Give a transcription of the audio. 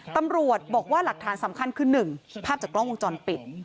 ตำรวจบอกว่าหลักฐานสำคัญคือ๑ภาพจากกล้องวงจรปิด